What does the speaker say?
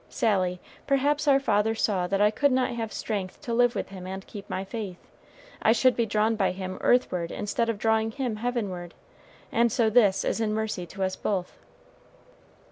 Sally, perhaps our Father saw that I could not have strength to live with him and keep my faith. I should be drawn by him earthward instead of drawing him heavenward; and so this is in mercy to us both."